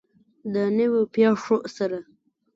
د نویو پیښو سره.